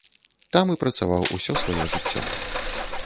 Там і працаваў усё сваё жыццё.